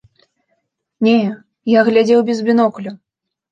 Не, я глядзеў без бінокля.